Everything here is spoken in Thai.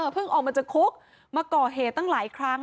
ออกมาจากคุกมาก่อเหตุตั้งหลายครั้ง